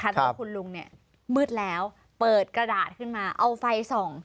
แต่ว่าคุณลุงเนี่ยมืดแล้วเปิดกระดาษขึ้นมาเอาไฟส่อง